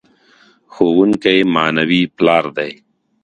ښوونکی معنوي پلار دی.